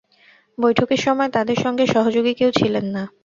বৈঠকের সময় তাঁদের সঙ্গে সহযোগী কেউ ছিলেন না।